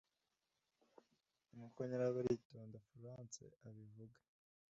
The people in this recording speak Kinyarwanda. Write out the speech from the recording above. nk’uko Nyirabaritonda Florence abivuga